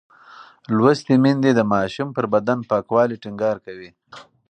لوستې میندې د ماشوم پر بدن پاکوالی ټینګار کوي.